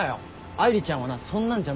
愛梨ちゃんはなそんなんじゃないから。